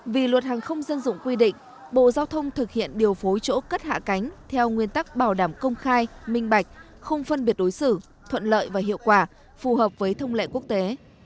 vì luật hàng không dân dụng quy định bộ giao thông thực hiện điều phối chỗ cất hạ cánh theo nguyên tắc bảo đảm công khai minh bạch không phân biệt đối xử thuận lợi và hiệu quả phù hợp với thông lệ quốc tế